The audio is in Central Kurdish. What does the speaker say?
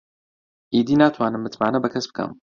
ئیدی ناتوانم متمانە بە کەس بکەم.